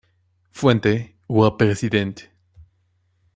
Fuente: Roi et President